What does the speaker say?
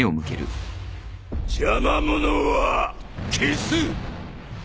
邪魔者は消す！